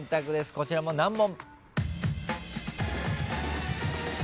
こちらも難問。